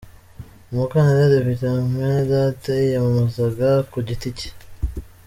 Umukandida Depite Mwenedata yiyamamazaga ku giti cye.